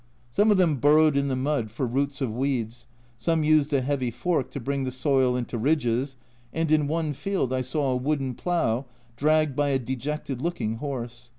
Some of them burrowed in the mud for roots of weeds, some used a heavy fork to bring the soil into ridges, and in one field I saw a wooden plough dragged by a dejected looking horse.